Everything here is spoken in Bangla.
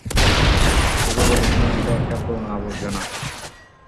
তোকে বলেছিলাম এটা একটা পুরানো, আবর্জনা।